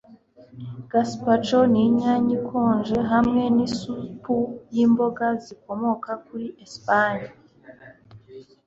Gazpacho ni inyanya ikonje hamwe nisupu yimboga zikomoka muri Espagne